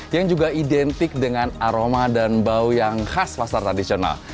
yang juga identik dengan aroma dan bau yang khas pasar tradisional